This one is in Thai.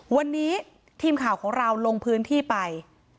วันนี้ทีมข่าวของเราลงพื้นที่ไป